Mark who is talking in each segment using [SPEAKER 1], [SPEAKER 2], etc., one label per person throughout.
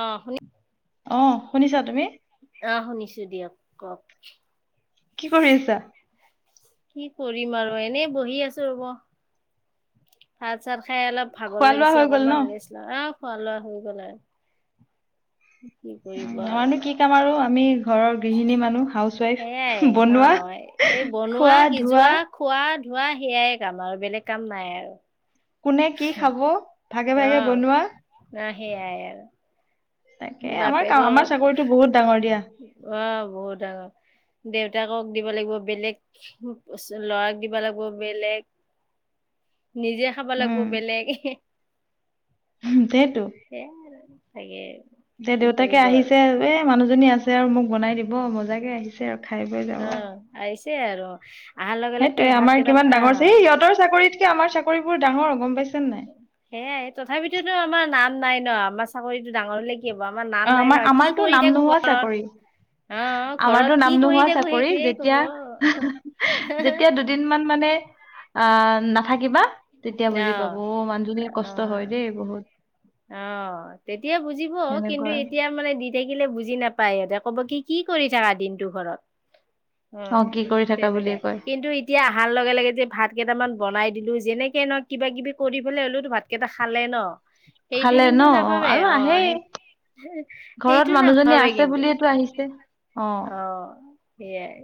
[SPEAKER 1] আহ শুনি
[SPEAKER 2] অঁ শুনিছা তুমি?
[SPEAKER 1] কক।
[SPEAKER 2] কি কৰি আছা?
[SPEAKER 1] কি কৰিম আৰু এনেই বহি আছো ৰব। ভাত চাত খাই অলপ ভাগৰ
[SPEAKER 2] খোৱা লোৱা
[SPEAKER 1] লাগিছে
[SPEAKER 2] হৈ গল ন
[SPEAKER 1] অকমান ৰেষ্ট লা আহ খোৱা লোৱা হৈ গ'ল আৰু। কি
[SPEAKER 2] উম
[SPEAKER 1] কৰিব আৰু।
[SPEAKER 2] আমাৰো কি কাম আৰু আমি ঘৰৰ গৃহিণী মানুহ খাও
[SPEAKER 1] সেইয়াই অ এই বনোৱা,
[SPEAKER 2] খোৱা ধোৱা
[SPEAKER 1] সিজোৱা, খোৱা ধোৱা সেয়াই কাম আৰু বেলেগ কাম নাই আৰু।
[SPEAKER 2] কোনে কি খাব ভাগে ভাগে বনোৱা
[SPEAKER 1] সেয়াই আৰু।
[SPEAKER 2] তাকে আমাৰ
[SPEAKER 1] বাপেকৰ
[SPEAKER 2] আমাৰ চাকৰিটো বহুত ডাঙৰ দিয়া।
[SPEAKER 1] অ বহুত ডাঙৰ, দেউত তাকক দিব লাগিব বেলেগ, ল'ৰাক দিব লাগিব বেলেগ নিজে খাব লাগিব
[SPEAKER 2] উম
[SPEAKER 1] বেলেগ।
[SPEAKER 2] সেইটো,
[SPEAKER 1] সেয়াই আৰু চাগে
[SPEAKER 2] এ
[SPEAKER 1] কি
[SPEAKER 2] দেউতাকে
[SPEAKER 1] কৰিব আৰু
[SPEAKER 2] আহিছে এ মানুহজনী আছে যে আৰু মোক বনাই দিব মজাকে আহিছে আৰু খাই বৈ যাব।
[SPEAKER 1] অ' আহিছে আৰু অহাৰ লগে লগে
[SPEAKER 2] সেইটোয়ে
[SPEAKER 1] ভাত
[SPEAKER 2] আমাৰ
[SPEAKER 1] কেইটা
[SPEAKER 2] কিমান ডাঙৰ যে
[SPEAKER 1] অ'
[SPEAKER 2] সিহঁতৰ চাকৰিতকে আমাৰ চাকৰিবোৰ ডাঙৰ। গম পাইছে নে নাই
[SPEAKER 1] সেয়াই তথাপিতোতো আমাৰ নাম নাই ন আমাৰ চাকৰিটো ডাঙৰ হলে কি হ'ব আমাৰ নাম
[SPEAKER 2] অ
[SPEAKER 1] নাই ন
[SPEAKER 2] আমাৰ
[SPEAKER 1] কি
[SPEAKER 2] আমাৰতো
[SPEAKER 1] কৰি
[SPEAKER 2] নাম
[SPEAKER 1] থাকো
[SPEAKER 2] নোহোৱা
[SPEAKER 1] ঘৰত
[SPEAKER 2] চাকৰি।
[SPEAKER 1] অ' ঘৰত
[SPEAKER 2] আমাৰতো
[SPEAKER 1] কি
[SPEAKER 2] নাম
[SPEAKER 1] কৰি
[SPEAKER 2] নোহোৱা
[SPEAKER 1] থাকো
[SPEAKER 2] চাকৰি
[SPEAKER 1] সেইটোয়ে কব অ'
[SPEAKER 2] যেতিয়া যেতিয়া দুদিন মান মানে আ নাথাকিবা তেতিয়া বুজি পাব অ মানুহজনীয়ে কষ্ট হয় দেই বহুত।
[SPEAKER 1] অ তেতিয়া বুজিব কিন্তু
[SPEAKER 2] সেনেকুৱা
[SPEAKER 1] এতিয়া মানে দি থাক খিলে বুজি নাপায় সিহঁতে ক'ব কি কি কৰি থাকা দিনটো ঘৰত। অ
[SPEAKER 2] কি কৰি থাকা বুলিয়ে
[SPEAKER 1] তেনেকুৱাই
[SPEAKER 2] কয়
[SPEAKER 1] কিন্তু এতিয়া অহাৰ লগে লগে যে ভাত কেইটামান বনাই দিলো। যেনেকে ন কিবা কিবি কৰি পেলাই হলেওতো ভাতকেইটা খালে ন। এইটো
[SPEAKER 2] খালে ন
[SPEAKER 1] কিন্তু নাভাবে
[SPEAKER 2] আৰু
[SPEAKER 1] অ
[SPEAKER 2] আহেই
[SPEAKER 1] সেই
[SPEAKER 2] ঘৰত
[SPEAKER 1] এইটো
[SPEAKER 2] মানুহজনী
[SPEAKER 1] নাভাবে
[SPEAKER 2] আছে
[SPEAKER 1] কিন্তু।
[SPEAKER 2] বুলিয়েতো আহিছে
[SPEAKER 1] অ সেইয়াই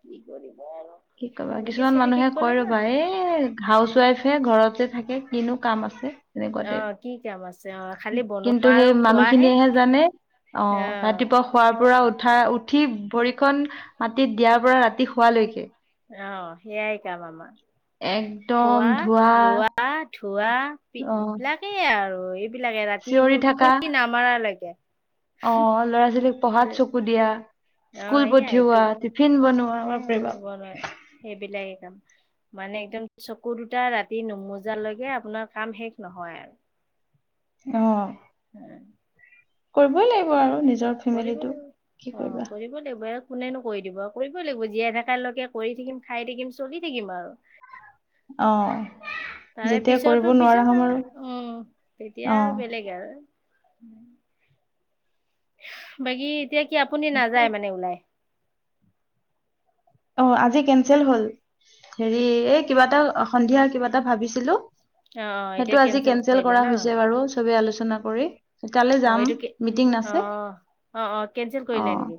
[SPEAKER 1] কি কৰিম?
[SPEAKER 2] কি কবা কিছুমান মানুহে কৈ
[SPEAKER 1] লাগিব
[SPEAKER 2] ৰবা এই হাউচ ৱাইফে ঘৰত থাকে কিনো কাম আছে? তেনেকুৱা
[SPEAKER 1] অ
[SPEAKER 2] টাইপ
[SPEAKER 1] কি কাম আছে অ খালি
[SPEAKER 2] কিন্তু
[SPEAKER 1] বনোৱা আৰু
[SPEAKER 2] সেই
[SPEAKER 1] খোৱাহে।
[SPEAKER 2] মানুহখিনিয়েহে জানে অ ৰাতিপুৱা শোৱাৰ পৰা উঠা উঠি ভৰিখন মাটিত দিয়াৰ পৰা ৰাতি শোৱালৈকে
[SPEAKER 1] অ সেইয়াই কাম আমাৰ।
[SPEAKER 2] একদম
[SPEAKER 1] খোৱা,
[SPEAKER 2] ধোৱা
[SPEAKER 1] লোৱা, ধোৱা
[SPEAKER 2] অ
[SPEAKER 1] বিলাকেই আৰু। লাগে ৰাতি
[SPEAKER 2] চিঞৰি থাকা
[SPEAKER 1] টোপনি নামাৰা লাগে।
[SPEAKER 2] অ ল'ৰা -ছোৱালীক পঢ়াত চকু দিয়া
[SPEAKER 1] অ
[SPEAKER 2] স্কুল
[SPEAKER 1] এইয়াই এইটো
[SPEAKER 2] পঠিওৱা টিফিন বনোৱা
[SPEAKER 1] হে
[SPEAKER 2] বাপৰে বাপ
[SPEAKER 1] হ'ব নোৱাৰে সেইবিলাক মানে একদম চকু দুটা ৰাতি নমোজালৈকে আপোনাৰ কাম শেষ নহয় আৰু।
[SPEAKER 2] অ।
[SPEAKER 1] উম।
[SPEAKER 2] কৰিবই লাগিব আৰু নিজৰ ফেমিলিটোক কি
[SPEAKER 1] লাগিব অ
[SPEAKER 2] কৰিবা?
[SPEAKER 1] কৰিব লাগিব আৰু কোনেনো কৰি দিব আৰু কৰিবই লাগিব জীয়াই থকা লৈকে কৰি থাকিম খাই থাকিম চলি থাকিম আৰু।
[SPEAKER 2] অ।
[SPEAKER 1] তাৰে
[SPEAKER 2] যেতিয়া কৰিব
[SPEAKER 1] পিছতো
[SPEAKER 2] নোৱাৰা
[SPEAKER 1] পিছত
[SPEAKER 2] হ'ম
[SPEAKER 1] আৰু উম তেতিয়া
[SPEAKER 2] অ
[SPEAKER 1] আৰু বেলেগ আৰু। উম। বাকী এতিয়া কি আপুনি
[SPEAKER 2] ঠিকে
[SPEAKER 1] নাযায়
[SPEAKER 2] আছে।
[SPEAKER 1] মানে ওলাই?
[SPEAKER 2] অ আজি কেনচেল হল, হেৰি এই কিবা এটা সন্ধিয়া কিবা এটা ভাবিছিলো
[SPEAKER 1] অ অ
[SPEAKER 2] সেইটো
[SPEAKER 1] এতিয়া
[SPEAKER 2] আজি কেনচেল
[SPEAKER 1] কৰিলে
[SPEAKER 2] কৰা
[SPEAKER 1] ন
[SPEAKER 2] হৈছে বাৰু চবে আলোচনা কৰি। তালে
[SPEAKER 1] অ
[SPEAKER 2] যাম
[SPEAKER 1] এইটো কি
[SPEAKER 2] মিটিং
[SPEAKER 1] অ
[SPEAKER 2] আছে।
[SPEAKER 1] অ অ কেনচেল কৰিলে নেকি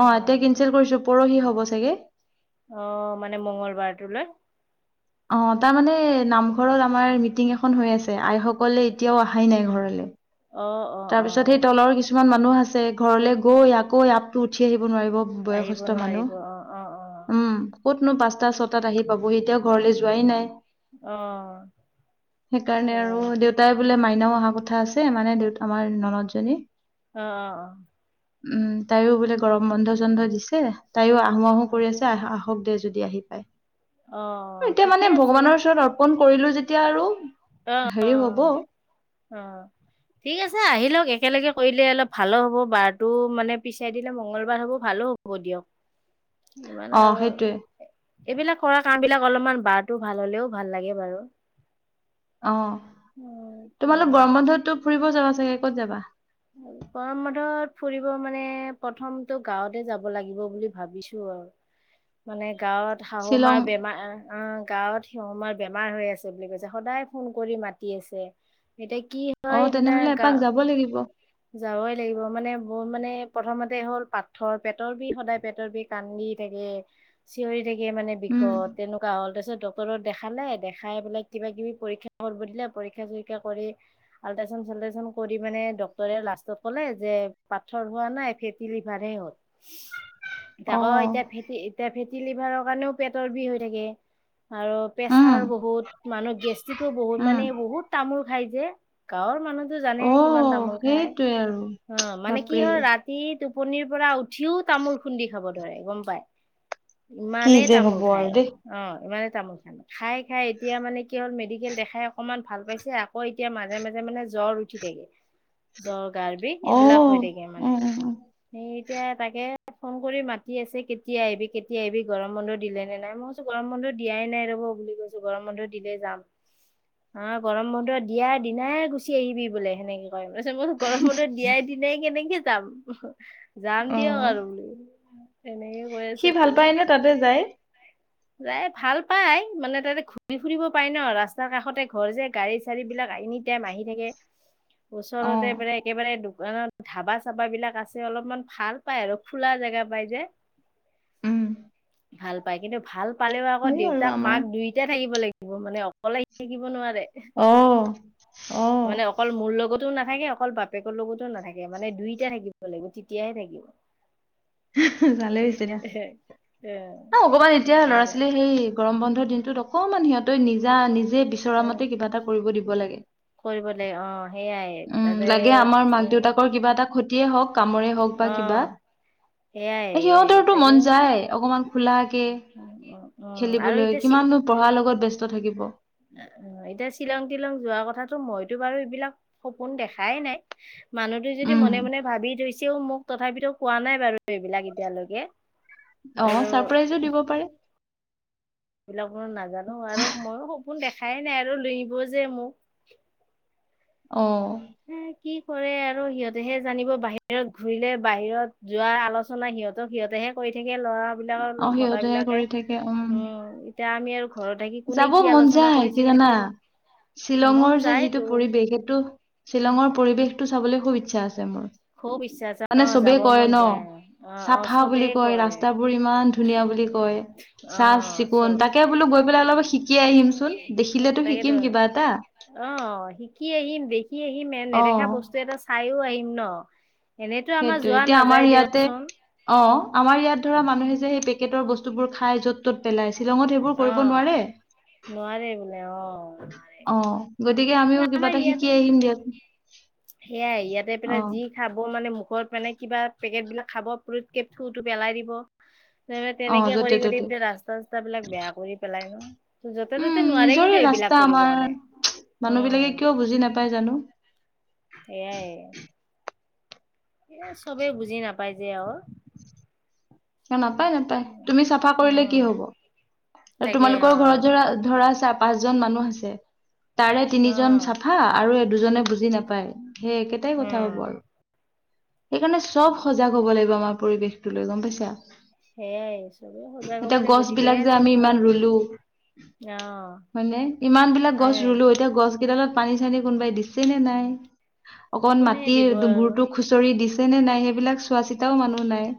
[SPEAKER 2] অ এতিয়া কেনচেল কৰিছো পৰহি হ'ব চাগে।
[SPEAKER 1] অ মানে মংগলবাৰ টোলৈ।
[SPEAKER 2] অ তাৰমানে নামঘৰত আমাৰ মিটিং এখন হৈ আছে আইসকলে এতিয়াও অহাই নাই ঘৰলে।
[SPEAKER 1] অ', অ',
[SPEAKER 2] তাৰপিছত সেই
[SPEAKER 1] অ',
[SPEAKER 2] তলৰ কিছুমান মানুহ আছে ঘৰলৈ গৈ আকৌ ইয়াত উঠি আহিব নোৱাৰিব
[SPEAKER 1] আহিব
[SPEAKER 2] বয়সস্থ
[SPEAKER 1] নোৱাৰিব অ', অ',
[SPEAKER 2] মানুহ উম ক'তনো পাঁচটা
[SPEAKER 1] অ'।
[SPEAKER 2] ছটাত আহি পাবহি এতিয়া ঘৰলে যোৱাই নাই
[SPEAKER 1] অ',
[SPEAKER 2] সেইকাৰণে আৰু
[SPEAKER 1] সেয়াই
[SPEAKER 2] দেউতাই বোলে মা এনেও অহা কথা আছে মানে দেউতা আমাৰ ননদ জনী
[SPEAKER 1] অ',
[SPEAKER 2] উম তাইও বোলে গৰম
[SPEAKER 1] অ',
[SPEAKER 2] বন্ধ চন্ধ দিছে তাইও আহো আহো কৰি আছে আহ আহক দে যদি আহি পায়
[SPEAKER 1] অ',
[SPEAKER 2] এতিয়া
[SPEAKER 1] ঠিকে
[SPEAKER 2] মানে
[SPEAKER 1] আছে
[SPEAKER 2] ভগৱানৰ ওচৰত অৰ্পণ কৰিলো যেতিয়া এতিয়া আৰু
[SPEAKER 1] অ',
[SPEAKER 2] হেৰি হ'ব
[SPEAKER 1] অ', অ', ঠিক আছে আহি লওঁক একেলগে কৰিলে অলপ ভালো হ'ব বাৰটো মানে পিছাই দিলে মঙগলবাৰ হ'ব ভালো হ'ব হব দিয়ক ইমান
[SPEAKER 2] অ
[SPEAKER 1] আৰু
[SPEAKER 2] সেইটোৱে
[SPEAKER 1] এইবিলাক কৰা কাম বিলাক অলপমান বাৰটো ভাল হলেও ভাল লাগে বাৰু
[SPEAKER 2] অঁ তোমালোক গৰম বন্ধতো ফুৰিব যাবা চাগে ক'ত যাবা
[SPEAKER 1] গৰম বন্ধত ফুৰিব মানে প্ৰথমটো গাঁৱতে যাব লাগিব বুলি ভাবিছো মানে গাঁৱত
[SPEAKER 2] শ্বিলং
[SPEAKER 1] শাহুমাৰ বেমাৰ অঁ গাঁৱত শিউমাৰ বেমাৰ হৈ আছে বুলি কৈছে সদায় ফোন কৰি মাতি আছে। এতিয়া কি
[SPEAKER 2] অ
[SPEAKER 1] হয়
[SPEAKER 2] তেনেহলে
[SPEAKER 1] এইবিলাক গা।
[SPEAKER 2] এপাক যাব লাগিব
[SPEAKER 1] যাবই লাগিব মানে ব মানে প্ৰথমতে হ'ল। পাথৰ পেটৰ বিষ সদায় পেটৰ বিষ কান্দি থাকে। নেৰে চিঞৰি থাকে মানে
[SPEAKER 2] উম
[SPEAKER 1] বিষত তেনেকুৱা হ'ল তাৰপিছত। ডক্টৰ দেখালে দেখাই পেলে কিবা কিবি পৰিক্ষা কৰিব দিলে পৰিক্ষা‌ চৰিক্ষা আল্ট্ৰাচাউণ্ড। ভালে যেন কৰি মানে ডক্টৰ। ডক্টৰে লাষ্টত কলে যে পাথৰ হোৱা নাই ফেটি লিভাৰ হে হ'ল।
[SPEAKER 2] অ
[SPEAKER 1] আকৌ এতিয়া ফেটি এতিয়া ফেটি লিভাৰৰ কাৰণেও পেটৰ বিষ হৈ থাকে। আৰু
[SPEAKER 2] উম
[SPEAKER 1] প্ৰেছাৰ বহুত মানুহৰ গেষ্ট্ৰিকো বহুত
[SPEAKER 2] উম
[SPEAKER 1] মানে বহুত তামোল। খাই যে গাঁৱৰ মানুহতো
[SPEAKER 2] অ
[SPEAKER 1] জানেহে কিমান তামোল খাই। খাই
[SPEAKER 2] সেইটোৱে আৰু
[SPEAKER 1] অঁ মানে কি
[SPEAKER 2] বাপৰে
[SPEAKER 1] হ'ল ৰাতি টোপনি। টুপনিৰ পৰা উঠিও তামোল খুন্দি খাব ধৰে গম পাই।
[SPEAKER 2] কি
[SPEAKER 1] ইমানেই
[SPEAKER 2] যে
[SPEAKER 1] তামোল
[SPEAKER 2] হব আৰু
[SPEAKER 1] খায়
[SPEAKER 2] দেই
[SPEAKER 1] অঁ ইমানেই। তামোল চামোল খাই খাই এতিয়া মানে কি হ'ল, মেডিকেল দেখাই অকনমান ভাল পাইছে আকৌ এতিয়া মাজে মাজে মানে। জ্বৰ উঠি থাকে জ্বৰ গাৰ বিষ
[SPEAKER 2] অ
[SPEAKER 1] এইবিলাক হৈ থাকে মানে
[SPEAKER 2] উম উম উম
[SPEAKER 1] সেই। এতিয়া তাকে ফোন কৰি মাতি আছে। কেতিয়া আহিবি কেতিয়া আহিবি গৰম বন্ধ দিলে নে নাই মই কৈছোঁ গৰম বন্ধ। দিয়াই নাই ৰ'ব বুলি কৈছোঁ গৰম মানুহ দিলে যাম। অঁ গৰম বন্ধ দিয়াৰ দিনাই গুচি আহিবি বোলে সেনেকে কয়। তাৰপিছত মই গৰম বন্ধ দিয়াই দিনাই কেনেকে যাম। যাম
[SPEAKER 2] অ
[SPEAKER 1] দিয়ক আৰু বোলো।
[SPEAKER 2] সি ভাল পায় ন তাতে যায়।
[SPEAKER 1] যাই ভাল পাই মানে তাতে ঘুৰি ফুৰিব পাই, ন ৰাস্তাৰ কাষতে ঘৰ যে গাড়ী চাড়ী বিলাক। গাড়ী এনি টাইম আহি থাকে
[SPEAKER 2] অ
[SPEAKER 1] ওচৰতে মানে একেবাৰে দুকান। দোকান, ধাবা চাবা বিলাক আছে অলপমান ভাল পায় আৰু খোলা জেগা পাই যে।
[SPEAKER 2] উম
[SPEAKER 1] ভাল পাই কিন্তু ভাল পালেও আকৌ
[SPEAKER 2] হয় আৰু
[SPEAKER 1] দেউতাক
[SPEAKER 2] আমাৰ
[SPEAKER 1] মাক দুইটাই থাকিব লাগিব মানে অকলে আহি থাকিব নোৱাৰে।
[SPEAKER 2] অঁহ অঁহ।
[SPEAKER 1] অকলে নাথাকে অকল বাপেকৰ লগতো নাথাকে মানে দুইটা থাকিব লাগিব তেতিয়াহে থাকিব। এহে এহে।
[SPEAKER 2] এই অকমান এতিয়া ল'ৰা ছোৱালী সেই গৰম বন্ধৰ দিনটোত। অকমান সিহঁতই নিজা নিজে বিচৰা
[SPEAKER 1] অ
[SPEAKER 2] মতে কিবা এটা কৰিব দিব লাগে।
[SPEAKER 1] কৰিব লাগে অ সেইয়াই তাতে উম।
[SPEAKER 2] খতিয়ে হওঁক কামৰে হওঁক বা কিবা
[SPEAKER 1] সেইয়াই সেইয়াই
[SPEAKER 2] সিহঁতৰটো
[SPEAKER 1] তাকে
[SPEAKER 2] মন যায় অকমান। খোলাকে
[SPEAKER 1] উম উম উম আৰু
[SPEAKER 2] খেলিবলৈ
[SPEAKER 1] এতিয়া চি
[SPEAKER 2] কিমানো পঢ়াৰ লগত ব্যস্ত থাকিব।
[SPEAKER 1] এতিয়া শ্বিলং তিলং যোৱা কথাটো মইতো বাৰু এইবিলাক সপোন দেখাই নাই। মানুহটো যদি
[SPEAKER 2] উম,
[SPEAKER 1] মনে মনে ভাবি থৈছেও মোক তথাপিতো কোৱা নাই বাৰু। এইবিলাক এতিয়ালৈকে
[SPEAKER 2] অ',
[SPEAKER 1] আৰু।
[SPEAKER 2] ছাৰপ্ৰাইজো দিব পাৰে
[SPEAKER 1] এইবিলাক মই নাজানোঁ আৰু মইও সপোন দেখাই নাই আৰু লৈ যাৱ যে মোক।
[SPEAKER 2] অ।
[SPEAKER 1] উম। [inaudible] তাতেহে কৰি থাকে ল'ৰা বিলাকৰ লগ
[SPEAKER 2] অ',
[SPEAKER 1] মতা
[SPEAKER 2] সিহঁতেহে
[SPEAKER 1] বিলাকে,
[SPEAKER 2] কৰি থাকে
[SPEAKER 1] উম এতিয়া আমি আৰু ঘৰত থাকি কোনে
[SPEAKER 2] যাব
[SPEAKER 1] কি
[SPEAKER 2] মন
[SPEAKER 1] আলোচনা
[SPEAKER 2] যায়
[SPEAKER 1] কৰিছে
[SPEAKER 2] কি জানা
[SPEAKER 1] কেনে মন
[SPEAKER 2] শ্বিলঙৰ যে
[SPEAKER 1] যায়তো
[SPEAKER 2] যিটো পৰিৱেশ সেইটো শ্বিলঙৰ পৰিৱেশটো চাবলৈ খুব ইচ্ছা আছে মোৰ।
[SPEAKER 1] খুব ইচ্ছা আছে
[SPEAKER 2] মানে
[SPEAKER 1] অ যাব
[SPEAKER 2] চবেই কয়
[SPEAKER 1] মন
[SPEAKER 2] ন
[SPEAKER 1] যায় অ অ
[SPEAKER 2] চাফা বুলি
[SPEAKER 1] চবেই কয়।
[SPEAKER 2] ৰাস্তাবোৰ ইমান ধুনীয়া বুলি কয়
[SPEAKER 1] অ
[SPEAKER 2] চাপ চিকুণ
[SPEAKER 1] চব
[SPEAKER 2] তাকে বোলো গৈ পেলাই অলপ শিকি আহিম চোন, দেখিলেতো শিকিম
[SPEAKER 1] তাকেতো
[SPEAKER 2] কিবা এটা।
[SPEAKER 1] অ শিকি আহিম দেখি আহিম এ
[SPEAKER 2] অ
[SPEAKER 1] নেদেখা বস্তু এটা চাইও আহিম ন। এনেতো আমাৰ যোৱা নাযায় দিয়কচোন।
[SPEAKER 2] [inaudible] বস্তুবোৰ খাই
[SPEAKER 1] অ',
[SPEAKER 2] য'ত
[SPEAKER 1] নোৱাৰে বোলে অ', নোৱাৰে।
[SPEAKER 2] [inaudible] আমিও কিবা
[SPEAKER 1] আমাৰ
[SPEAKER 2] এটা শিকি
[SPEAKER 1] ইয়াতে,
[SPEAKER 2] আহিম দিয়াচোন
[SPEAKER 1] সেয়াই ইয়াতে
[SPEAKER 2] অ
[SPEAKER 1] পাই যি খাব মানে মু ত মানে কিবা পেকেটবিলাক খাব থুটো পেলাই দিব তাৰ
[SPEAKER 2] অ
[SPEAKER 1] তেনেকে কৰি
[SPEAKER 2] য'তে ত'তে
[SPEAKER 1] এইবিলাক ৰাস্তা-চাস্তাবিলাক বেয়া কৰি পেলাই ন, য'তে
[SPEAKER 2] উম
[SPEAKER 1] ত'তে নোৱাৰে কিন্তু এইবিলাক [inaudible]
[SPEAKER 2] মানুহবিলাকে কিয় বুজি নাপায় জানো।
[SPEAKER 1] এয়াই। এ চবে বুজি নাপায় যে আৰু।
[SPEAKER 2] নাপায়-নাপায় তুমি চাফা কৰিলে কি
[SPEAKER 1] উম,
[SPEAKER 2] হব
[SPEAKER 1] তাকে
[SPEAKER 2] তোমালোকৰ ঘৰত
[SPEAKER 1] অ'।
[SPEAKER 2] ধৰা-ধৰা চা পাঁচজন মানুহ আছে, তাৰে
[SPEAKER 1] অ
[SPEAKER 2] তিনিজন চাফা আৰু দুজনে বুজি নাপায়। সেই একেটাই কথা হব
[SPEAKER 1] উম
[SPEAKER 2] আৰু, সেইকাৰণে চব সজাগ হব লাগিব আমাৰ পৰিৱেশ টোলৈ গম পাইছা। এতিয়া
[SPEAKER 1] [inaudible]
[SPEAKER 2] মানে ইমানবিলাক গছ
[SPEAKER 1] আমি
[SPEAKER 2] ৰুলো এতিয়া গছ কেইডালত পানী-চানী কোনোবাই দিছে নে নাই অকন
[SPEAKER 1] কোনে দিব
[SPEAKER 2] মাটিৰ
[SPEAKER 1] আৰু
[SPEAKER 2] গুৰতো খুচৰি দিছ যেনে নাই সেইবিলাক চোৱা চিতাও মানুহ নাই।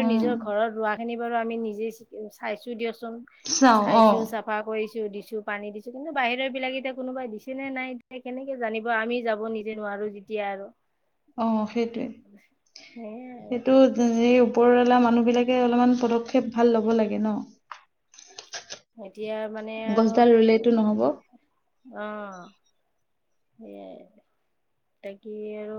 [SPEAKER 2] উম
[SPEAKER 1] চাইছো
[SPEAKER 2] চাও অ
[SPEAKER 1] চাফা কৰিছো [inaudible] [inaudible]
[SPEAKER 2] [inaudible]
[SPEAKER 1] সেয়াই আৰু
[SPEAKER 2] পদক্ষেপ ভাল ল'ব লাগে ন।
[SPEAKER 1] এতিয়া মানে আৰু
[SPEAKER 2] গছডাল
[SPEAKER 1] কি
[SPEAKER 2] ৰুলেতো নহব
[SPEAKER 1] আহ সেয়াই তাকি আৰু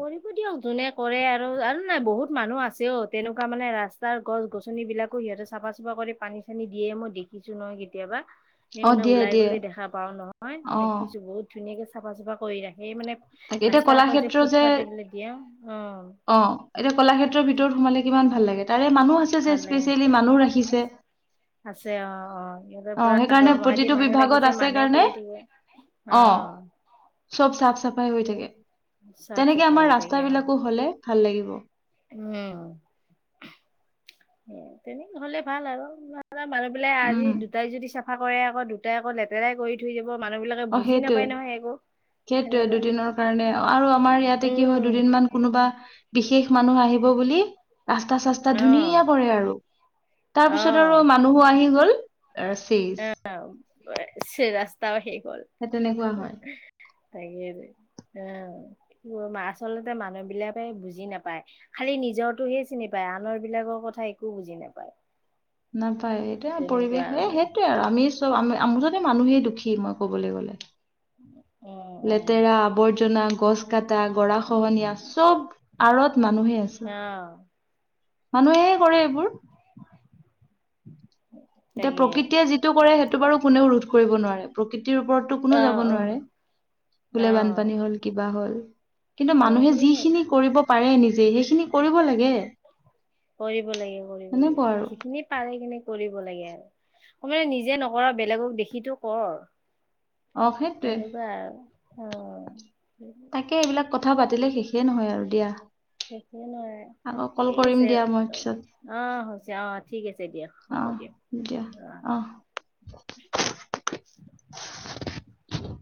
[SPEAKER 1] কৰিব দিয়ক যোনে কৰে আৰু আৰু নাই বহুত মানুহ আছেও তেনেকুৱা মানে ৰাস্তাৰ গছ-গছনি বিলাকো সিহঁতে চফা-চফা কৰি পানী-চানী দিয়ে মই দেখিছো নহয় কেতিয়াবা। এই
[SPEAKER 2] অ
[SPEAKER 1] মানে
[SPEAKER 2] দিয়ে
[SPEAKER 1] ওলাই
[SPEAKER 2] দিয়ে
[SPEAKER 1] গ'লে দেখা পাও নহয়।
[SPEAKER 2] অ
[SPEAKER 1] দেখিছো বহুত ধুনীয়াকে চাফা-চাফা কৰি ৰাখে এই মানে
[SPEAKER 2] তাকে এতিয়া
[SPEAKER 1] ৰাস্তাৰ কাষত যে
[SPEAKER 2] কলাক্ষেত্ৰ
[SPEAKER 1] ফুট-ফাট এইবিলাক দিয়া
[SPEAKER 2] অ এতিয়া কলাক্ষেত্ৰৰ ভিতৰত সোমালে কিমান ভাল লাগে। তাৰে মানুহ আছে যে
[SPEAKER 1] ভালে
[SPEAKER 2] স্পেচিয়েলি মানুহ ৰাখিছে।
[SPEAKER 1] আছে অ-অ সিহঁতে
[SPEAKER 2] অ
[SPEAKER 1] পুৰা
[SPEAKER 2] সেইকাৰণে
[SPEAKER 1] দৰমহা দি
[SPEAKER 2] প্ৰতিটো
[SPEAKER 1] মানুহে
[SPEAKER 2] বিভাগত
[SPEAKER 1] ৰাখিছে
[SPEAKER 2] আছে
[SPEAKER 1] মানুহে
[SPEAKER 2] কাৰণে
[SPEAKER 1] কৰি থাকে অ। অঁ।
[SPEAKER 2] চব চাফ-চাফাই হৈ থাকে
[SPEAKER 1] চাফ
[SPEAKER 2] তেনেকে
[SPEAKER 1] চুফাই
[SPEAKER 2] আমাৰ
[SPEAKER 1] হৈ থাকে অ
[SPEAKER 2] ৰাস্তাবিলাকো হলে ভাল লাগিব।
[SPEAKER 1] উম তেনে হলে ভাল আৰু। মানুহবিলাক
[SPEAKER 2] উম
[SPEAKER 1] আজি দুটাই যদি চাফা কৰে আকৌ দুটাই আকৌ লেতেৰা কৰি থৈ যাব। মানুহবিলাকে বুজি নাপায় নহয় একো।
[SPEAKER 2] সেইটোৱেই
[SPEAKER 1] সেনেকুৱা
[SPEAKER 2] দুদিনৰ কাৰণে আৰু আমাৰ ইয়াতে কি হয়
[SPEAKER 1] উম,
[SPEAKER 2] দুদিনমান কোনোবা। বিশেষ মানুহ আহিব বুলি। ৰাস্তা-চাস্তা
[SPEAKER 1] আহ
[SPEAKER 2] ধুনীয়া পৰে আৰু তাৰপিছত আৰু মানুহো আহি গল। চেচ সেই
[SPEAKER 1] আহ ৰাস্তাও শেষ।
[SPEAKER 2] সেই তেনেকুৱা হয়।
[SPEAKER 1] তেই দি উম আচলতে মানুহবিলাকে বুজি নাপায় খালি নিজৰটোহে চিনি পায়। আনৰ বিলাকৰ কথা একো বুজি নাপায়।
[SPEAKER 2] নাপায় এয়া
[SPEAKER 1] তেনেকুৱা
[SPEAKER 2] পৰিৱেশ
[SPEAKER 1] আৰু
[SPEAKER 2] এই
[SPEAKER 1] মানে
[SPEAKER 2] সেইটোৱেই আৰু আমি চব আমি মুঠতে মানুহেই দুখী মই ক'বলৈ গ'লে
[SPEAKER 1] উম উম
[SPEAKER 2] লেতেৰা আৱৰ্জনা, গছ কটা, গৰা খহনীয়া চব আঁৰত মানুহে
[SPEAKER 1] অ
[SPEAKER 2] আছে মানুহে কৰে এইবোৰ। এতিয়া
[SPEAKER 1] তাকে
[SPEAKER 2] প্ৰকৃতিয়ে যিটো কৰে সেইটো বাৰু কোনেও ৰোধ কৰিব নোৱাৰে প্ৰকৃতি খ ওপৰতো
[SPEAKER 1] অ
[SPEAKER 2] কোনো যাব
[SPEAKER 1] অ
[SPEAKER 2] নোৱাৰে
[SPEAKER 1] অ
[SPEAKER 2] বোলে বানপানী হল, কিবা হল, কিন্তু
[SPEAKER 1] অ
[SPEAKER 2] মানুহে
[SPEAKER 1] সেইয়াই
[SPEAKER 2] যিখিনি কৰিব পাৰে নিজে সেই
[SPEAKER 1] কৰিব লাগে কৰিব লাগে
[SPEAKER 2] সেনেকুৱা আৰু
[SPEAKER 1] যিখিনি পাৰে কেনে কৰিব লাগে আৰু মানে নিজে নকৰা বেলেগক দেখো কৰ আৰু।
[SPEAKER 2] অ সেইটোৱে
[SPEAKER 1] সনেকুৱা আৰু অঁ
[SPEAKER 2] তাকে এইবিলাক কথা পাতিলে শেষে নহয় আৰু দিয়া।
[SPEAKER 1] সেইটোয়ে নাই।
[SPEAKER 2] আকৌ কল
[SPEAKER 1] ঠিক
[SPEAKER 2] কৰিম
[SPEAKER 1] আছে
[SPEAKER 2] দিয়া মই পিছত
[SPEAKER 1] আহ হৈছে আহ ঠিক আছে দিয়া হ'ব দিয়া।
[SPEAKER 2] আঁ অঁহ।
[SPEAKER 1] [inaudible]